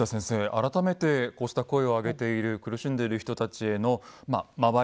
改めてこうした声を上げている苦しんでいる人たちへの周り